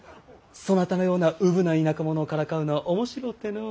そなたのようなウブな田舎者をからかうのは面白うてのう。